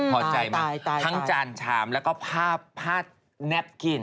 พอใจมั้ยทั้งจานชามและผ้าแนบกิ่น